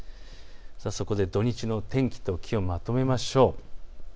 そこで土日の天気と気温まとめましょう。